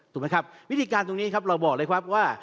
ถูกไหมครับวิธีการตรงนี้ครับเราบอกเลยครับว่า